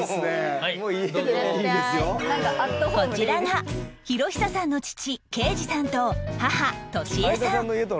こちらが博久さんの父啓治さんと母利江さん